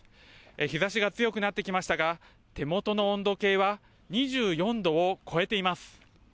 日ざしが強くなってきましたが、手元の温度計は２４度を超えています。